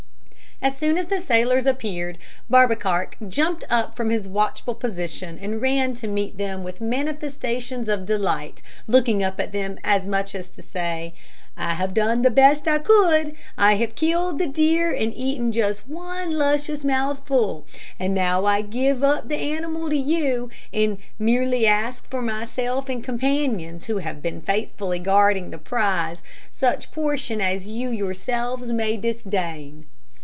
As soon as the sailors appeared, Barbekark jumped from his watchful position, and ran to meet them with manifestations of delight, looking up at them, as much as to say: "I have done the best I could; I have killed the deer, and eaten just one luscious mouthful. And now I give up the animal to you, and merely ask for myself and companions, who have been faithfully guarding the prize, such portion as you yourselves may disdain."